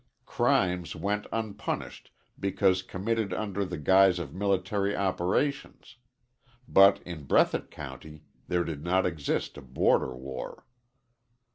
Crimes went unpunished because committed under the guise of military operations. But in Breathitt County there did not exist a border war.